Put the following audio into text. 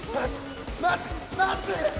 待って待って！